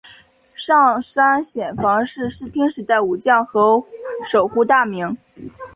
上杉显房是室町时代武将和守护大名。